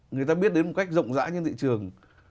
người ta biết đến một cách rộng rãi trên thị trường